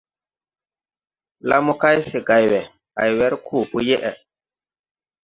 La mo kay, se gày we, hay wer koo po yeʼe.